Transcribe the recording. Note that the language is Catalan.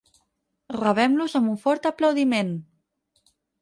Rebem-los amb un fort aplaudiment!